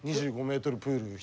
２５ｍプール１つ。